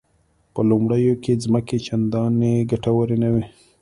په لومړیو کې ځمکې چندانې ګټورې نه وې.